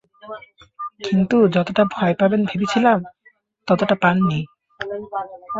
কিন্তু যতটা ভয় পাবেন ভেবেছিলাম, ততটা পাননি।